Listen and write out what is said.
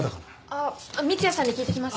あっ三ツ矢さんに聞いてきます。